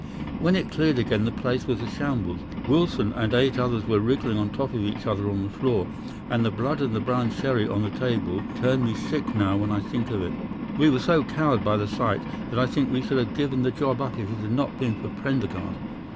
When it cleared again the place was a shambles. Wilson and eight others were wriggling on the top of each other on the floor, and the blood and the brown sherry on that table turn me sick now when I think of it. We were so cowed by the sight that I think we should have given the job up if it had not been for Prendergast.